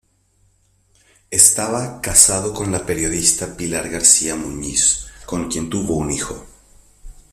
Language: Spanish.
Estaba casado con la periodista Pilar García Muñiz, con quien tuvo un hijo.